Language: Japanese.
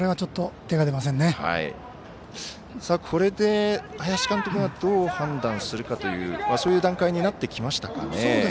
これで、林監督がどう判断するかというそういう段階になってきました。